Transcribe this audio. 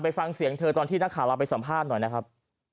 ฟังเสียงเธอตอนที่นักข่าวเราไปสัมภาษณ์หน่อยนะครับ